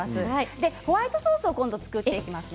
ホワイトソースを今度作っていきますね。